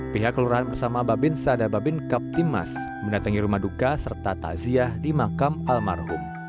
pihak kelurahan bersama babinsa dan babin kaptimas mendatangi rumah duka serta takziah di makam almarhum